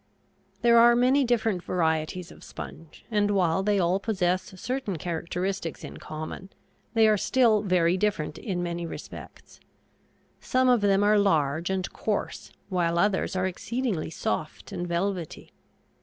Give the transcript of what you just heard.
There are many different varieties of sponge, and, while they all possess certain characteristics in common, they are still very different in many respects. Some of them are large and coarse, while others are exceedingly soft and velvety.